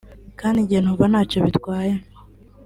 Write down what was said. kandi njye numva ntacyo bitwaye”